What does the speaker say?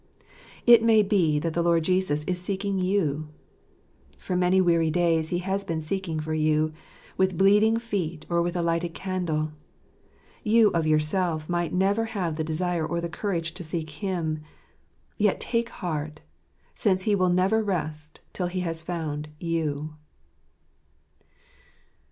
It may be that the Lord Jesus is seek ing you : for many weary days He has been seeking for you, with bleeding feet or with a lighted candle. You of yourself might never have the desire or the courage to seek Him ; yet take heart, since He will never rest till He has found you.